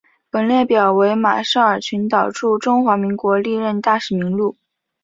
本列表为马绍尔群岛驻中华民国历任大使名录。